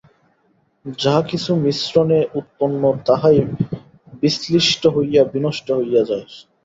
যাহা কিছু মিশ্রণে উৎপন্ন, তাহাই বিশ্লিষ্ট হইয়া বিনষ্ট হইয়া যায়।